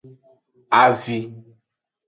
Avi.